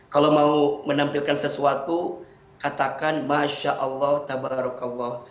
kalau mau menampilkan sesuatu katakan masha'allah tabarakallah